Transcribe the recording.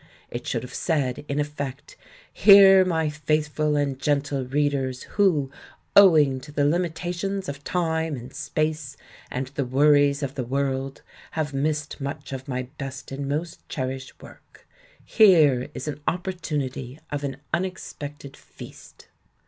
It should have said, in effect : "Here, my faithful and gentle readers who, owing to the limitations of time and space and the worries of the world, have missed much of my best and most cherished work — here is an opportunity of an unexpected feast."